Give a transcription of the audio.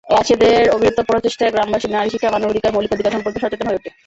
রাশেদের অবিরত প্রচেষ্টায় গ্রামবাসী নারীশিক্ষা, মানবাধিকার, মৌলিক অধিকার সম্পর্কে সচেতন হয়ে ওঠে।